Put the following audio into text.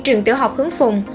trường tiểu học hướng phùng